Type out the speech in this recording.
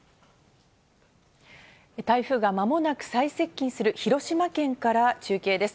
台風が間もなく最接近する広島県から中継です。